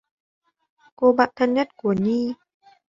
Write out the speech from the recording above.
Cô bạn thân nhất của Nhi